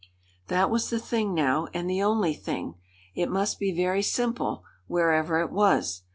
That was the thing now, and the only thing. It must be very simple, wherever it was.